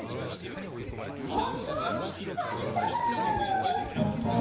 そうそうはなたば！